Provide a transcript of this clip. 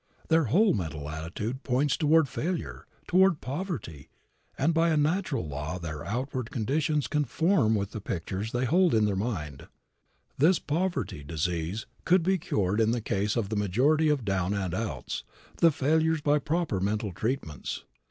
Their whole mental attitude points toward failure, toward poverty, and by a natural law their outward conditions conform with the pictures they hold in mind. This poverty disease could be cured in the case of the majority of down and outs, the failures, by proper mental treatments.